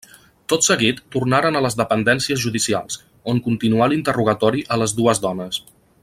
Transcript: Tot seguit tornaren a les dependències judicials, on continuà l'interrogatori a les dues dones.